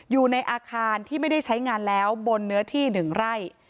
อยู่ในอาคารที่ไม่ได้ใช้งานแล้วบนเนื้อที่๑ไร่